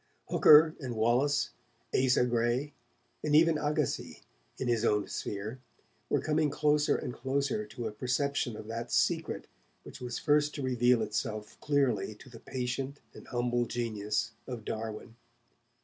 Hooker and Wallace, Asa Gray and even Agassiz, each in his own sphere, were coming closer and closer to a perception of that secret which was first to reveal itself clearly to the patient and humble genius of Darwin.